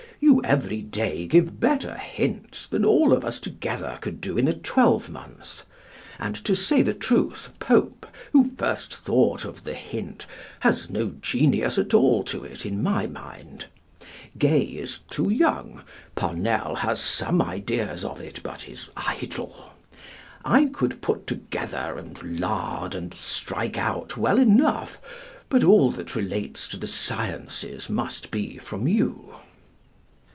You every day give better hints than all of us together could do in a twelvemonth. And to say the truth, Pope, who first thought of the Hint, has no Genius at all to it, in my mind; Gay is too young; Parnell has some ideas of it, but is idle; I could put together, and lard, and strike out well enough, but all that relates to the Sciences must be from you."